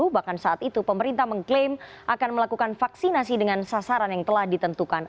bahkan saat itu pemerintah mengklaim akan melakukan vaksinasi dengan sasaran yang telah ditentukan